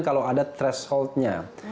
kalau ada threshold nya